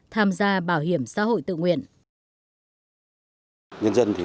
tham gia bảo hiểm xã hội tự nguyện